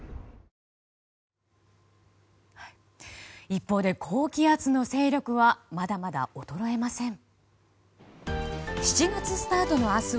一方で高気圧の勢力はまだまだ衰えません。